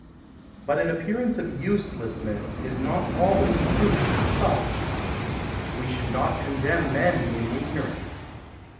But an appearance of uselessness is not always proof of such. We should not condemn men in ignorance.